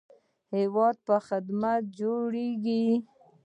هیواد په خدمت جوړیږي